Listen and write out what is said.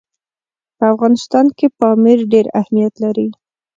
په افغانستان کې پامیر ډېر اهمیت لري.